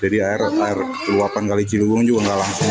jadi air luapan kalicilung juga gak langsung